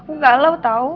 aku galau tau